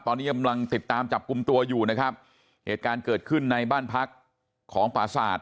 ตอนนี้กำลังติดตามจับกลุ่มตัวอยู่นะครับเหตุการณ์เกิดขึ้นในบ้านพักของปราศาสตร์